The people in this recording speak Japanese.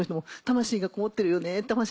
「魂がこもってるよね」